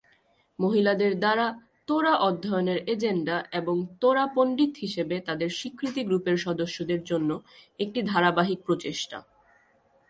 মহিলাদের দ্বারা তোরাহ অধ্যয়নের এজেন্ডা এবং তোরা পণ্ডিত হিসাবে তাদের স্বীকৃতি গ্রুপের সদস্যদের জন্য একটি ধারাবাহিক প্রচেষ্টা।